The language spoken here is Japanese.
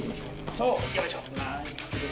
そう、よいしょ。